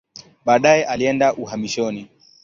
Baadaye alienda uhamishoni.